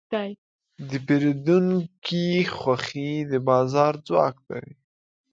د پیرودونکي خوښي د بازار ځواک دی.